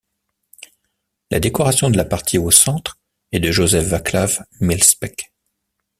La décoration de la partie au centre est de Josef Václav Myslbek.